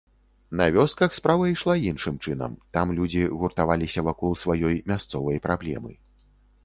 На вёсках справа ішла іншым чынам, там людзі гуртаваліся вакол сваёй мясцовай праблемы.